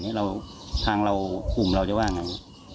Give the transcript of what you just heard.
แต่ทางเราคลุมเราจะว่าไง